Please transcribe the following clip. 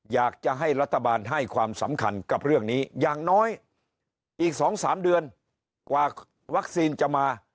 อยากจะให้รัฐบาลให้ความสำคัญกับเรื่องนี้อย่างน้อยอีก๒๓เดือนกว่าวัคซีนจะมา